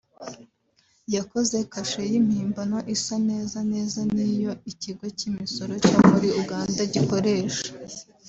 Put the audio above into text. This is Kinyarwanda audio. yakoze kashe y’impimbano isa neza neza n’iyo ikigo cy’imisoro cyo muri Uganda gikoresha